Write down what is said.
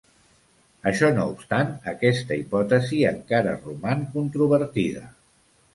Això no obstant, aquesta hipòtesi encara roman controvertida.